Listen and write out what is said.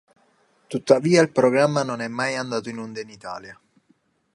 Tuttavia il programma non è mai andato in onda in Italia.